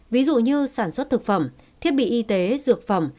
ví dụ như sản xuất thực phẩm thiết bị y tế dược phẩm